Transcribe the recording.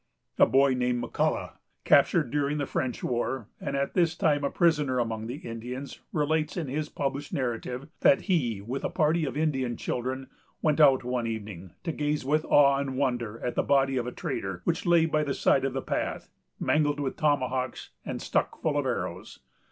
A boy named M'Cullough, captured during the French war, and at this time a prisoner among the Indians, relates, in his published narrative, that he, with a party of Indian children, went out, one evening, to gaze with awe and wonder at the body of a trader, which lay by the side of the path, mangled with tomahawks, and stuck full of arrows.